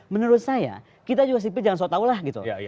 menurut saya kita juga sipil jangan so tau lah gitu